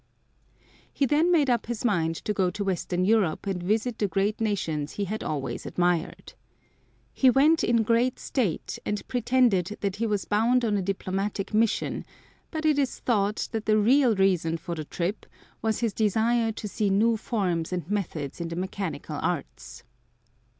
He then made up his mind to go to western Europe and visit the great nations he had always admired. He went in great state and pretended that he was bound on a diplomatic mission, but it is thought that the real reason for the trip was his desire to see new forms and methods in the mechanical arts.